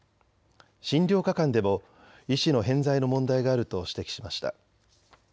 診療科間でも医師の偏在の問題があると指摘しました。